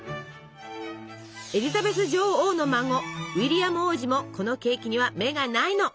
エリザベス女王の孫ウィリアム王子もこのケーキには目がないの！